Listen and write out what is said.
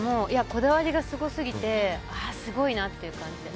こだわりがすごすぎてああ、すごいなっていう感じで。